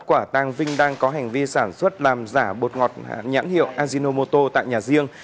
bắt quả tàng vinh đang có hành vi sản xuất làm giả bột ngọt nhãn hiệu ajinomoto tại nhà riêng